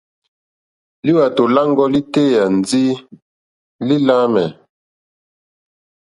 Lúwàtò lâŋɡɔ́ lítéyà ndí lí láǃámɛ̀.